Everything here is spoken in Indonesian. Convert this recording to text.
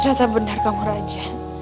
ternyata benar kamu raja